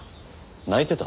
泣いてた？